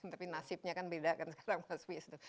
tapi nasibnya kan beda kan sekarang mas wisnu